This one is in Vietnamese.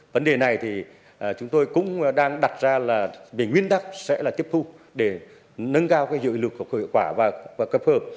vấn đề này thì chúng tôi cũng đang đặt ra là nguyên đắc sẽ là tiếp thu để nâng cao cái dự lực của cơ hội quả và cấp hợp